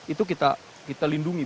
itu kita lindungi